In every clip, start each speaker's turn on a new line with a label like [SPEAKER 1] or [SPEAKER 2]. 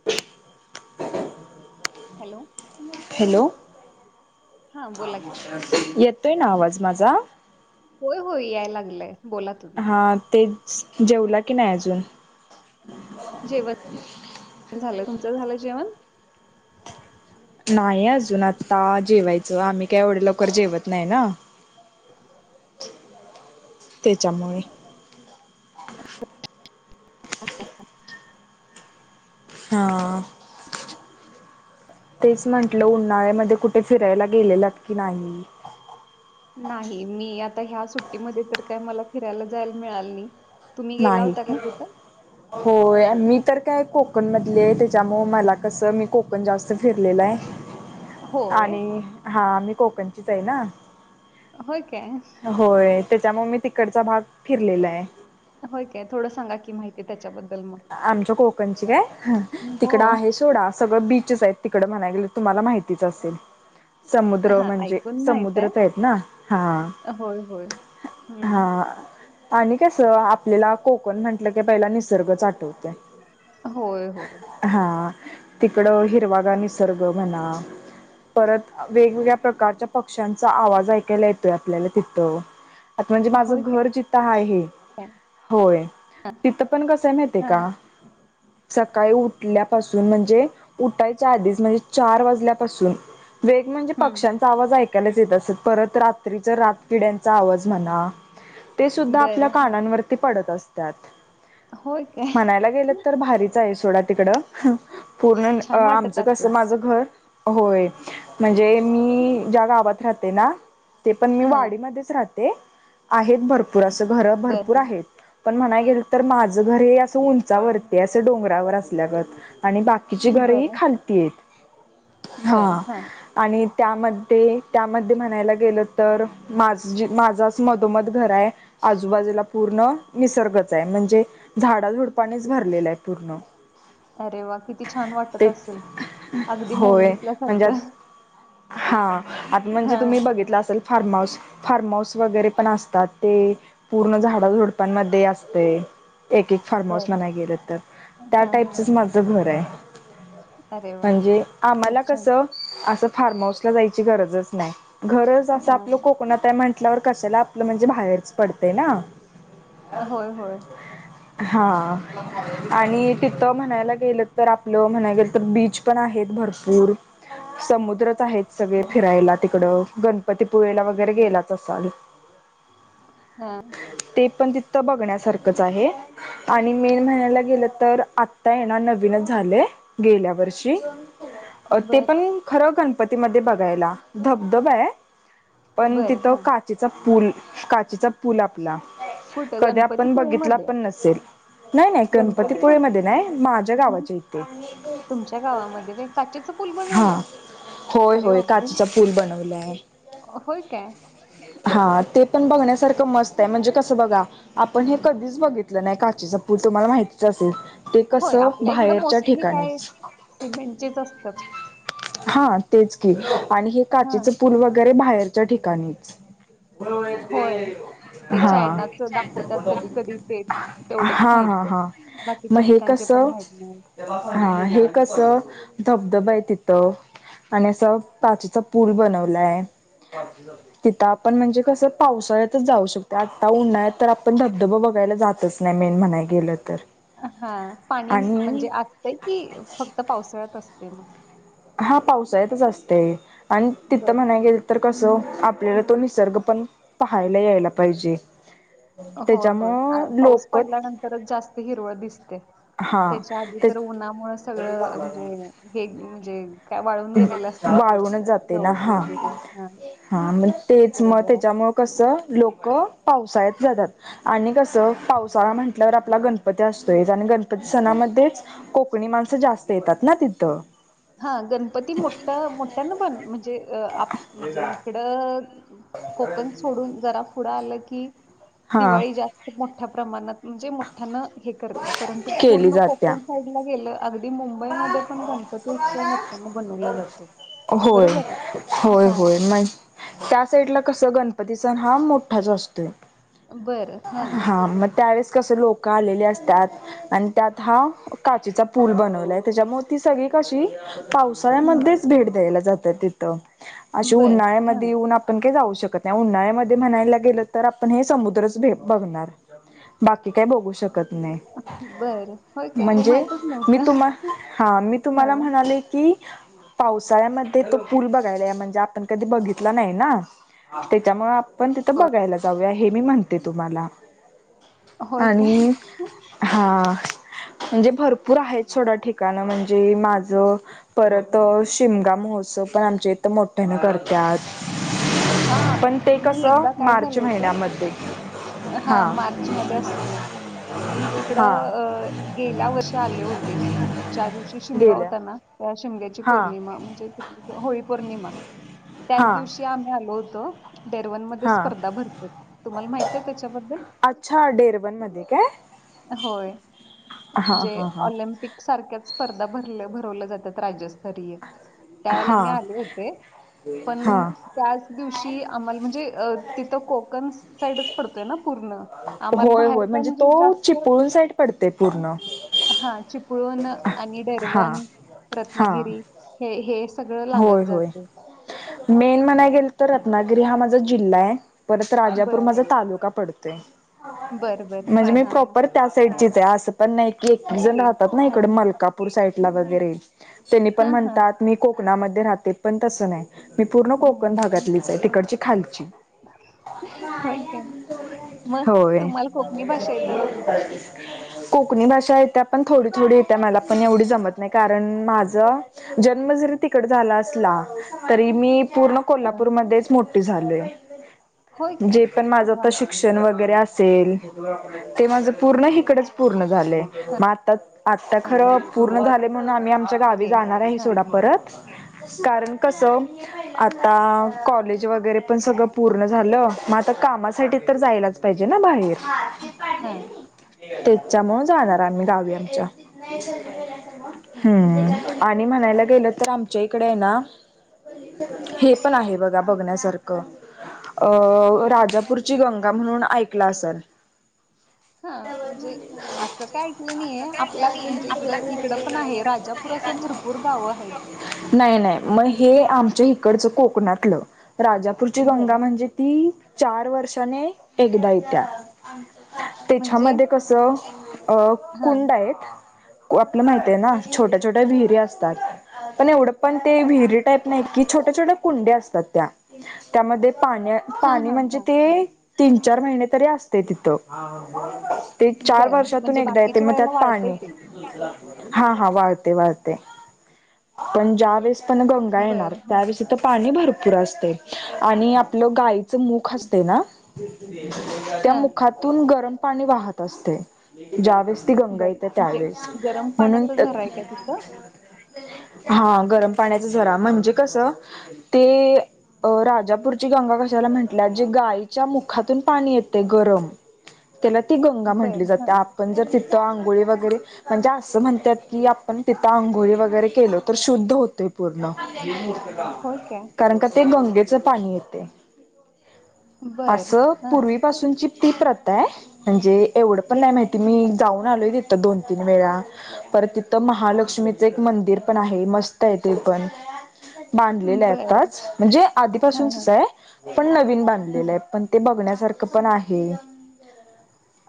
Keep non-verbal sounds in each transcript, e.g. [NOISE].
[SPEAKER 1] [INAUDIBLE]
[SPEAKER 2] Hello.
[SPEAKER 1] Hello
[SPEAKER 2] हा बोला की
[SPEAKER 1] येतोय ना आवाज माझा?
[SPEAKER 2] हो हो याय लागलाय.
[SPEAKER 1] हा ते जेवला की नाही अजून?
[SPEAKER 2] जेवण झालं. तुमचं झालं जेवण?
[SPEAKER 1] नाही अजून आता जेवायचं आम्ही काय एवढे लवकर जेवत नाही ना. त्याच्यामुळे.
[SPEAKER 2] ह [INAUDIBLE]
[SPEAKER 1] हा.. तेच म्हटलं उन्हाळ्यामध्ये कुठे फिरायला गेलेलात की नाही?
[SPEAKER 2] नाही मी आता ह्या सुट्टीमध्ये तर काय मला फिरायला जायला मिळाल नाही. तुम्ही गेला
[SPEAKER 1] नाही
[SPEAKER 2] होता काय
[SPEAKER 1] का.
[SPEAKER 2] कुठं
[SPEAKER 1] होय मी तर काय कोकण मधली आहे त्याच्यामुळ मला कसं मी कोकण जास्त फिरलेलं आहे.
[SPEAKER 2] होय
[SPEAKER 1] आणि हा मी कोकणचीच आहेना.
[SPEAKER 2] होय काय.
[SPEAKER 1] होय त्याच्यामुळे मी तिकडचा भाग फिरलेला आहे.
[SPEAKER 2] होय काय थोडं सांगा की माहिती आहे त्याच्याबद्दल मग.
[SPEAKER 1] आमच्या कोकणची काय
[SPEAKER 2] हो
[SPEAKER 1] तिकडं आहे सोडा सगळं बीचस आहेत. तिकडं म्हणाय गेलं तुम्हाला माहितीच असेल. समुद्र
[SPEAKER 2] हा
[SPEAKER 1] म्हणजे
[SPEAKER 2] ऐकून माहित आहे
[SPEAKER 1] समुद्रतच आहेत ना हा
[SPEAKER 2] होय होय
[SPEAKER 1] हा.
[SPEAKER 2] हम्म
[SPEAKER 1] आणि कस आपल्याला कोकण म्हटलं की पहिला निसर्गच आठवते.
[SPEAKER 2] होय होय.
[SPEAKER 1] हा तिकड हिरवागार निसर्ग म्हणा परत वेगवेगळ्या प्रकारच्या पक्ष्यांचा आवाज ऐकायला येतोय आपल्याला तिथं. आता म्हणजे
[SPEAKER 2] होय
[SPEAKER 1] माझं घर जिथं आहे
[SPEAKER 2] काय
[SPEAKER 1] होय
[SPEAKER 2] हा
[SPEAKER 1] तिथं पण कस माहित आहे
[SPEAKER 2] हा
[SPEAKER 1] का ह [INAUDIBLE] सकाळी उठल्यापासून म्हणजे उठायच्या आधीच म्हणजे चार वाजल्यापासून वेग म्हणजे
[SPEAKER 2] हम्म
[SPEAKER 1] पक्ष्यांचा आवाज ऐकायलाच येत असत परत रात्रीचा रात किड्यांचा आवाज म्हणा ते सुद्धा आपल्या
[SPEAKER 2] बरं हा
[SPEAKER 1] कानांवरती पडत असतात.
[SPEAKER 2] होय. काय
[SPEAKER 1] म्हणायला गेलं तर भारीच आहे सोडा तिकडं. पूर्ण
[SPEAKER 2] छान वाटत
[SPEAKER 1] आमचं कसं
[SPEAKER 2] असेल
[SPEAKER 1] माझं घर होय म्हणजे मी ज्या गावात राहते ना ते पण मी
[SPEAKER 2] हा
[SPEAKER 1] वाडीमध्येच राहते. आहेत भरपूर अस घर
[SPEAKER 2] बरं
[SPEAKER 1] भरपूर
[SPEAKER 2] हा
[SPEAKER 1] आहेत पण म्हणाय गेलं तर माझ माझ घर असं उंचावरती असं डोंगरावर असल्यागत आणि बाकी तिची घर ही
[SPEAKER 2] बरं
[SPEAKER 1] खालतीय हा.. आणि त्यामध्ये, त्यामध्ये म्हणायला गेलो तर माझ, माझाच मधोमध घर आहे. आजूबाजूला पूर्ण निसर्गच आहे म्हणजे झाडाझुडपाणीच भरलेलं आहे पूर्ण.
[SPEAKER 2] अरे वा किती छान वाटत
[SPEAKER 1] ते
[SPEAKER 2] असेल अगदी
[SPEAKER 1] होय
[SPEAKER 2] मूवीतल्या
[SPEAKER 1] म्हणजे
[SPEAKER 2] सारखं.
[SPEAKER 1] हा आता म्हणजे तुम्ही
[SPEAKER 2] हां,
[SPEAKER 1] बघितलं असेल फार्म हाऊस, फार्महााऊस वगैरे पण असतात ते पूर्ण झाडंझुडपांमध्ये असतय. एक एक फार्म हाऊस
[SPEAKER 2] बरं.
[SPEAKER 1] म्हणायं गेलं तर त्या
[SPEAKER 2] हां, हां.
[SPEAKER 1] टाईपचच माझं घर आहे.
[SPEAKER 2] अरे वाह!
[SPEAKER 1] म्हणजे
[SPEAKER 2] खूप
[SPEAKER 1] आम्हाला
[SPEAKER 2] छान.
[SPEAKER 1] कसं अस फार्म हाऊस ला जायची गरजच नाही घरज असं आप
[SPEAKER 2] हां.
[SPEAKER 1] कोकणात म्हण आपटल्यावर कशाला आपलं म्हणजे बाहेरच पडते ना.
[SPEAKER 2] होय होय.
[SPEAKER 1] हा आणि तिथं म्हणायला गेलं तर आपलं म्हणायला गेलं तर बीच पण आहेत भरपूर समुद्रच आहेत सगळे
[SPEAKER 2] बरं,
[SPEAKER 1] फिरायला तिकड गण पती पुळेला वगैरे
[SPEAKER 2] बरं.
[SPEAKER 1] गेलाच असाल
[SPEAKER 2] हां.
[SPEAKER 1] ते पण ती त बघण्यासारखंच आहे आणि मे महि्याला गेलं तर आ ता येणार नवीनच झालेय गेल्या वर्षी अ ते
[SPEAKER 2] बरं,
[SPEAKER 1] पण खरं गणपती मधे बघायला धबधबा आहे पण
[SPEAKER 2] बरं.
[SPEAKER 1] तिथं
[SPEAKER 2] हां.
[SPEAKER 1] का चेचा पूल काचीचा पूल आपला
[SPEAKER 2] कुठं
[SPEAKER 1] कधी आपण बघितला
[SPEAKER 2] गणपतीपुळेमध्ये?
[SPEAKER 1] पण नस सेल नाही नाही गणपतीपुळे मध्ये नाही माझ्या
[SPEAKER 2] हं.
[SPEAKER 1] गावाच्या इथे.
[SPEAKER 2] तुमच्या गावामध्ये व्हय काचेच पूल
[SPEAKER 1] हा
[SPEAKER 2] बनवलाय?
[SPEAKER 1] होय
[SPEAKER 2] अरे
[SPEAKER 1] होय
[SPEAKER 2] बापरे!
[SPEAKER 1] काचीचा पूल बनवलाय.
[SPEAKER 2] होय काय?
[SPEAKER 1] हा ते पण बघण्यासारखं मस्त आहे म्हणजे कसं बघा आपण हे कधीच बघित लं नाही काचेचा पूल तुम्हाला माहितीच असेल. ते कस
[SPEAKER 2] होय, आपल्या इकडं
[SPEAKER 1] बाहेरच्या
[SPEAKER 2] मोस्टली काय
[SPEAKER 1] ठिकाणीच.
[SPEAKER 2] सिमेंटचेच असतात.
[SPEAKER 1] हा तेच की आणि हे
[SPEAKER 2] हां.
[SPEAKER 1] काचेच पूल वगैरे बाहेरच्या ठिकाणीच.
[SPEAKER 2] होय.
[SPEAKER 1] हा.
[SPEAKER 2] कधी ते? तेवढंच
[SPEAKER 1] हा हा
[SPEAKER 2] माहिती आहे.
[SPEAKER 1] हा म
[SPEAKER 2] बाकीच्या
[SPEAKER 1] हे
[SPEAKER 2] ठिकाणचे पण
[SPEAKER 1] कसं
[SPEAKER 2] माहीत नाही.
[SPEAKER 1] हा हे कस धबधबा आहे तिथं. आणि असं काचेचा पूल बनवलाय. तिथं आपण म्हणजे कसं पावसाळ्यातच जाऊ शकते आत्ता उन्हाळत तर आपण धबधबा बघायला जात च नाही मेन म्हणाय गेलं तर.
[SPEAKER 2] हा पाणी
[SPEAKER 1] आणि
[SPEAKER 2] म्हणजे असतंय कि फक्त पावसाळ्यात असते मग?
[SPEAKER 1] हा पावसाळेतच असतय आणि तिथं
[SPEAKER 2] बरं.
[SPEAKER 1] म्हणाय गेल तर कसं आपल्याला तो निसर्ग पण पाहायला यायला पाहिजे.
[SPEAKER 2] होय होय
[SPEAKER 1] त्याच्यामुळं
[SPEAKER 2] पाऊस
[SPEAKER 1] लोक
[SPEAKER 2] पडल्यानंतरच जास्त हिरवळ दिसते.
[SPEAKER 1] हा
[SPEAKER 2] त्याच्या आधी
[SPEAKER 1] ते
[SPEAKER 2] तर उन्हामु सगळं म्हणजे हे म्हणजे काय वाळून गेलेलं असतात
[SPEAKER 1] वाळूनच जाते ना
[SPEAKER 2] गवथ
[SPEAKER 1] हा
[SPEAKER 2] वगैरे हा.
[SPEAKER 1] हा म तेच म त्याच्यामुळं कसं लोक पावसाळ्यात जातात आणि कसं पावसाळा म्हंटल्यावर आपला गणप पती असतोय आणि गणपती सणामध्येच कोकणी माणसं जास्त येतात ना तिथं.
[SPEAKER 2] हा गणपती मोठ्या मोठ्या न पण म्हणजे आप म्हणजे इकडं कोकण सोडून जरा पुुढं आलं की
[SPEAKER 1] हा
[SPEAKER 2] दिवाळी जास्त मोठ्या प्रमाणात म्हणजे मोठ्या हे करत परंतु
[SPEAKER 1] केली
[SPEAKER 2] पूर्ण
[SPEAKER 1] जात्या
[SPEAKER 2] कोकण साईड गेलं अगदी मुंबईमध्ये पण गणपती उत्सव मोठ्याना बनवला जातोय.
[SPEAKER 1] होय
[SPEAKER 2] बरोबर आहे?
[SPEAKER 1] होय
[SPEAKER 2] हां.
[SPEAKER 1] होय म त्या साईड ला कस गणपती सन हा मोठाच असतोय.
[SPEAKER 2] बरं. हां.
[SPEAKER 1] हा म त्यावेेळेस कस लोक आलेली असत्यात. आणि त्यात हा काचीचा पूल बनवलाय तेज्यामुळं ती सगळी कशी
[SPEAKER 2] हं.
[SPEAKER 1] पावसाळ्यामध्येच भेट द्यायला जातं तिथं, अशी
[SPEAKER 2] बरं. हां.
[SPEAKER 1] उन्हाळ्यामध्ये ऊन पण काही जाऊ शकत नाही, उन्हाळ्यामध्ये म्हणायला गेलं तर आपण हे समुद्रच भे बघणार. बाकी काय बघू शकत नाही.
[SPEAKER 2] बरं. होय काय? हे
[SPEAKER 1] म्हणजे
[SPEAKER 2] माहीतच
[SPEAKER 1] मी
[SPEAKER 2] नव्हतं.
[SPEAKER 1] तुम्हा हा मी तुम्हाला
[SPEAKER 2] हां.
[SPEAKER 1] म्हणाले की पावसाळ्यामध्ये तो पूल बघायला या, म्हणजे आपण कधी बघितला नाहीना. त्याच्यामुळ आप आपण तिथं बघायला जाऊया हे मी म्हणते तुम्हाला
[SPEAKER 2] होय काय?
[SPEAKER 1] आणि हा म्हणजे भरपूर आहेत सोडा ठिकाण म्हणजे माझं परत शिमगा महोत्सव पण आमच्या इथं मोठ्या न करता त्यात
[SPEAKER 2] हां.
[SPEAKER 1] पण ते कस
[SPEAKER 2] मी
[SPEAKER 1] मार्च महिन्यामध्ये.
[SPEAKER 2] हा मार्च मध्ये असतोय. मी तिकडं
[SPEAKER 1] हा
[SPEAKER 2] अ गेल्या वर्षी आले होते ज्या दिवशी शिमगा
[SPEAKER 1] गेल्या
[SPEAKER 2] होता ना त्या शिमग्याची
[SPEAKER 1] हा
[SPEAKER 2] पौर्णिमा म्हणजे होळी पौर्णिमा त्याच
[SPEAKER 1] हा
[SPEAKER 2] दिवशी ते आम्ही आलो होतो डेरवन मध्ये
[SPEAKER 1] हा
[SPEAKER 2] स्पर्धा भरते तुम्हाला माहित आहे त्याच्याबद्दल?
[SPEAKER 1] अच्छा डेरबनमध्ये काय?
[SPEAKER 2] होय,
[SPEAKER 1] हा
[SPEAKER 2] म्हणजे
[SPEAKER 1] हा हा
[SPEAKER 2] ऑलिमपिक सारख्याच स्पर्धा भरल्या, भरवल्या जातात राज थरीय त्यावेेळेला
[SPEAKER 1] हा
[SPEAKER 2] मी आले होते
[SPEAKER 1] हा
[SPEAKER 2] पण त्याच दिवशी आम्हाला म्हणजे तिथं कोकण साईडच पडतोय न पूर्ण आम्हाला
[SPEAKER 1] होय
[SPEAKER 2] बाहेर
[SPEAKER 1] होय
[SPEAKER 2] का म्हणजे
[SPEAKER 1] तो
[SPEAKER 2] जास्त
[SPEAKER 1] चिपळूण साईड पडते पूर्ण.
[SPEAKER 2] हा चिपळूण आणि
[SPEAKER 1] हा
[SPEAKER 2] डेरवण,
[SPEAKER 1] हा
[SPEAKER 2] रत्नागिरी हे हे सगळं लागत
[SPEAKER 1] होय होय
[SPEAKER 2] जाते.
[SPEAKER 1] मेन म्हणाय गेल तर रत्नागिरी हा माझा जिल्हा आहे. परत
[SPEAKER 2] बर
[SPEAKER 1] राजापूर माझा तालुका पडतोय.
[SPEAKER 2] बर बर
[SPEAKER 1] म्हणजे
[SPEAKER 2] हा
[SPEAKER 1] मी
[SPEAKER 2] हा हा
[SPEAKER 1] प्रॉपर त्या साईडचीच आहे असं पण नाही की एक जण
[SPEAKER 2] ओके
[SPEAKER 1] राहतात ना
[SPEAKER 2] हा
[SPEAKER 1] इकडे मलका पूर साईडला वगैरे त्यांनी
[SPEAKER 2] हा
[SPEAKER 1] पण
[SPEAKER 2] हा
[SPEAKER 1] म्हणतात मी कोकणामध्ये राहते पण तसं नाही. मी पूर्ण
[SPEAKER 2] हम्म,
[SPEAKER 1] कोकण
[SPEAKER 2] हम्म.
[SPEAKER 1] भागातलीच तिकडची खालची.
[SPEAKER 2] होय काय मग
[SPEAKER 1] होय.
[SPEAKER 2] तुम्हाला कोकणी भाषा येत असेल
[SPEAKER 1] कोकणी भाषा येत्या पण थोडी, थोडी येत्या मला पण एवढी जमत नाही कारण माझं जन्म जरी तिकड झाला असला. तरी मी पूर्ण
[SPEAKER 2] हा.
[SPEAKER 1] कोल्हापूर मधेच मोठी झालीये
[SPEAKER 2] होय काय
[SPEAKER 1] जेपण माझ
[SPEAKER 2] वा
[SPEAKER 1] शिक्षण वगैरे असेल ते माझ पूर्ण हिकडच पूर्ण झालय म आता आत्ता
[SPEAKER 2] हा,
[SPEAKER 1] खरं पूर्ण झालेय म्हणून आम्ही आमच्या गावी
[SPEAKER 2] ओके
[SPEAKER 1] जाणार आहे
[SPEAKER 2] हा
[SPEAKER 1] सोडा परत. कारण कसं आता कॉलेज वगैरे पण सगळं पूर्ण झालं म आता कामासाठी तर जायलाच पाहिजे ना बाहेर.
[SPEAKER 2] हम्म.
[SPEAKER 1] त्याच्यामुळ जाणार आम्ही गावी आमच्या,
[SPEAKER 2] बर
[SPEAKER 1] हम्म. आणि म्हणायला गेलं तर आमच्या इकडेय ना हे पण आहे बघा बघण्यासारखं अ राजापूरची गंगा म्हणून ऐकला असल?
[SPEAKER 2] हा म्हणजे असं काय ऐकलं नाहीय आपल्या म्हणजे इकडं, इकडं पण आहे राजा पूर असं भरपूर गावं आहेत.
[SPEAKER 1] नाही, नाही म हे आमच्या इकडचं कोकणातलं राजा पूरची गंगा
[SPEAKER 2] बरं
[SPEAKER 1] म्हणजे ती चार वर्षाने एकदा येत्या.
[SPEAKER 2] म्हणजे
[SPEAKER 1] तेच्यामध्ये कस अ
[SPEAKER 2] हा
[SPEAKER 1] कुंड आहेत आपलं माहिती हे ना छोट्या छोट्या विहिरी असतात पण एवढ पण ते वीही त्यात नाही की छोट्या छोट्या कुंड्या असतात त्या त्यामध्ये पाण्या
[SPEAKER 2] हा
[SPEAKER 1] पाणी
[SPEAKER 2] हा
[SPEAKER 1] म्हणजे
[SPEAKER 2] हा हा
[SPEAKER 1] ते तीन चार महिने तरी आसतंय तिथ. ते चार
[SPEAKER 2] बरं
[SPEAKER 1] वर्षातून
[SPEAKER 2] म्हणजे
[SPEAKER 1] एकदा येते
[SPEAKER 2] बाकीच्या
[SPEAKER 1] म त्यात
[SPEAKER 2] वेळेला वाळतंय
[SPEAKER 1] पाणी
[SPEAKER 2] ते.
[SPEAKER 1] हा हा वाळते वाळतो पण ज्यावेळेस पण गाय येणार
[SPEAKER 2] बरं हं
[SPEAKER 1] त्यादिवशी त पाणी भरपूर आसतय आणि आपल गा यीच मुख आसतंय ना त्या
[SPEAKER 2] हं
[SPEAKER 1] मुखा तून गरम पाणी वाहत असतात, ज्यावेळस ती गंगा
[SPEAKER 2] बरं
[SPEAKER 1] येत्या
[SPEAKER 2] म्हणजे
[SPEAKER 1] त्यावेळेस
[SPEAKER 2] गरम
[SPEAKER 1] म्हणून
[SPEAKER 2] पाण्याचा
[SPEAKER 1] त
[SPEAKER 2] झरा आहे का तिथं?
[SPEAKER 1] हा गरम पाण्याचा झरा म्हणजे कस ते अ राजापूरची गंगा कशाला म्हटल्या जे गायीच्या मुखातून पाणी येतय गरम तेला ती गंगा म्हटली
[SPEAKER 2] बरं
[SPEAKER 1] जात्या
[SPEAKER 2] हं
[SPEAKER 1] आपण जर तिथं आंघोळी वगैरे म्हणजे आसं म्हणत्यात की आपण तिथं आघोळी वगैरे केलो तर शुद्ध होतय पूर्ण
[SPEAKER 2] होय का
[SPEAKER 1] कारण का ते गंगेच पाणी येते आस
[SPEAKER 2] बरं हं
[SPEAKER 1] पूर्वीपासूनची ती प्रथा आहे म्हणजे एवढं पण नाही माहिती मी जाऊन आलोय तिथं दोन तीन वेळा. परत तिथं महालक्ष्मीच एक मंदिर पण आहे, मस्त ये ते पण. बांधलेलं आहे
[SPEAKER 2] बरं
[SPEAKER 1] आताच म्हणजे
[SPEAKER 2] हं
[SPEAKER 1] आधीपासूनचच
[SPEAKER 2] हं
[SPEAKER 1] आहे पण नवीन
[SPEAKER 2] हं
[SPEAKER 1] बांधलेलं आहे पण ते बघण्यासारखं पण आहे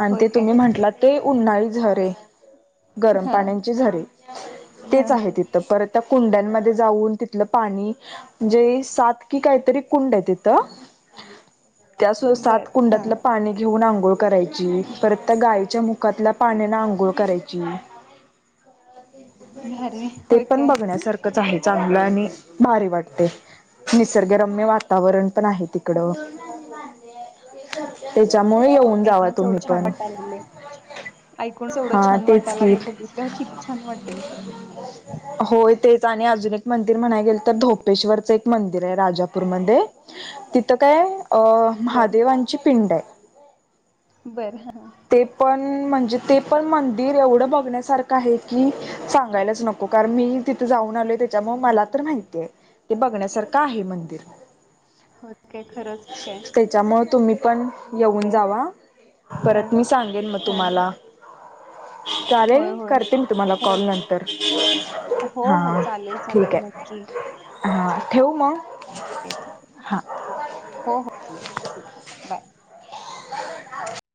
[SPEAKER 1] आणि
[SPEAKER 2] होय
[SPEAKER 1] ते
[SPEAKER 2] काय?
[SPEAKER 1] तुम्ही म्हटला ते उन्हाळी झरे गरम
[SPEAKER 2] हं
[SPEAKER 1] पाण्याचे झरे
[SPEAKER 2] हं
[SPEAKER 1] तेच आहे
[SPEAKER 2] हं
[SPEAKER 1] ति थं परत कुंड्यांमध्ये जाऊन तिथलं पाणी म्हणजे सात की कायतरी कुंड आहे तिथं त्या सु सात
[SPEAKER 2] बरं हं
[SPEAKER 1] कुंडातलं पाणी घेऊन आंघोळ करायची, परत त्या गायीच्या मुखातल्या पाण्यान आंघोळ करायची.
[SPEAKER 2] अरे
[SPEAKER 1] ते
[SPEAKER 2] होय
[SPEAKER 1] पण
[SPEAKER 2] काय?
[SPEAKER 1] बघण्या सारखच आहे चांगलं आणि भारी वाटते. निसर्गरम्य वातावरण पण आहे तिकडं. तेच्यामुळ येव
[SPEAKER 2] ऐकूनच एवढं छान वाटा लागलय. ऐकूनच एवढं
[SPEAKER 1] हा
[SPEAKER 2] छान
[SPEAKER 1] तेच की
[SPEAKER 2] वाटालालय, बघितल्यावर किती छान वाटेल?
[SPEAKER 1] होय तेच आणि आजून एक मंदिर म्हणाय गेल तर धोपेश्वरच एक मंदिर आहे राजापूरमध्ये, तिथं काय अ
[SPEAKER 2] बरं
[SPEAKER 1] महादेवांची पिंड आहे.
[SPEAKER 2] बरं.
[SPEAKER 1] ते पण म्हणजे ते पण मंदिर एवढं बघण्यासारखं आहे की सांगायलाच नको कारण मी तिथ जाऊन आलोय तेच्यामुळ मला तर माहिती आहे, ते बघण्या सारख आहे मंदिर.
[SPEAKER 2] होय काय खरंच काय?
[SPEAKER 1] तेच्यामुळ तुम्ही पण
[SPEAKER 2] ठीक
[SPEAKER 1] येऊन
[SPEAKER 2] आहे.
[SPEAKER 1] जावा परत
[SPEAKER 2] हं
[SPEAKER 1] मी सांगेन म
[SPEAKER 2] हं
[SPEAKER 1] तुम्हाला
[SPEAKER 2] होय
[SPEAKER 1] चालेल
[SPEAKER 2] होय
[SPEAKER 1] करते मी तुम्हाला कॉल
[SPEAKER 2] खरंच.
[SPEAKER 1] नंतर हा ठीक आहे.
[SPEAKER 2] की
[SPEAKER 1] हा ठेवू म?
[SPEAKER 2] ठीक
[SPEAKER 1] हा.
[SPEAKER 2] हो हो चालेल ठीक आहे बाय.
[SPEAKER 1] [INAUDIBLE]